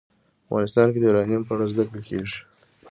افغانستان کې د یورانیم په اړه زده کړه کېږي.